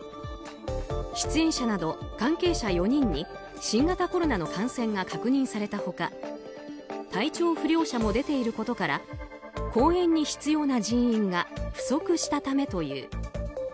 出演者など、関係者４人に新型コロナの感染が確認された他体調不良者も出ていることから公演に必要な人員が不足したためという。